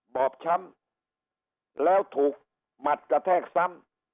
บอบช้ำแล้วถูกหมัดกระแทกซ้ำ